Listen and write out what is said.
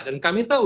dan kami tahu